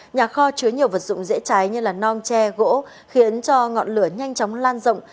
nhà kho chứa nhiều vật dụng dễ cháy như non tre gỗ khiến cho ngọn lửa nhanh chóng lan rộng